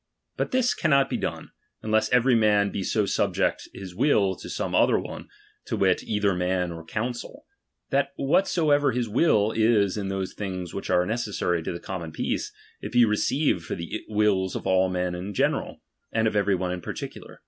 But this cannot be done, unless e%'ery man will so sub ject his will to some other one, to wit, either man or council, that whatsoever his will is in those things which are necessary to the common peace, it be received for the wills of all men in general, and of every one in particnlar.